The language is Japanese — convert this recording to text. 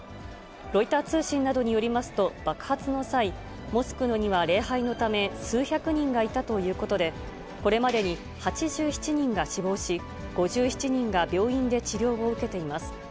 ロイター通信などによりますと、爆発の際、モスクには礼拝のため、数百人がいたということで、これまでに８７人が死亡し、５７人が病院で治療を受けています。